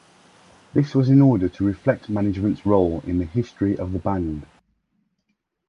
This was in order to reflect management's role in the history of the band.